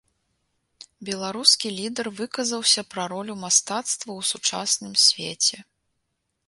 Беларускі лідар выказаўся пра ролю мастацтва ў сучасным свеце.